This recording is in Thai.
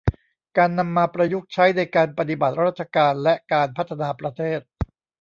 การนำมาประยุกต์ใช้ในการปฏิบัติราชการและการพัฒนาประเทศ